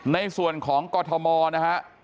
ในส่วนของกรทมนะครับ